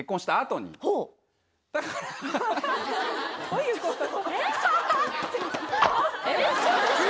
どういうこと？